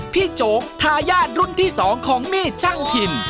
โจ๊กทายาทรุ่นที่๒ของมีดช่างถิ่น